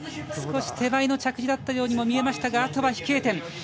少し手前の着地だったようにも見えましたがあとは飛型点。